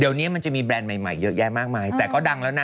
เดี๋ยวนี้มันจะมีแบรนด์ใหม่เยอะแยะมากมายแต่ก็ดังแล้วนะ